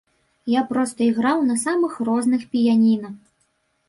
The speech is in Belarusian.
Я проста іграў на самых розных піяніна.